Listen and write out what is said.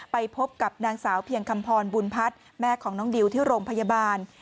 ไปพบกับนางสาวเพียงคำพรบุญพัฒน์แม่ของน้องดิวที่โรงพยาบาล